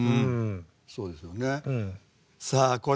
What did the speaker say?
そうですよね。